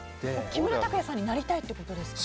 木村拓哉さんになりたいってことですか？